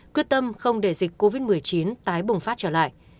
quyết tâm không để dịch covid một mươi chín tái bùng phát trở lại